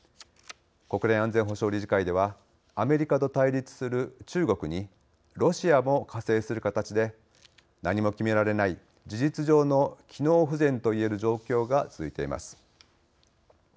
国連安全保障理事会ではアメリカと対立する中国にロシアも加勢する形で何も決められない、事実上の機能不全と言える状況が続いています。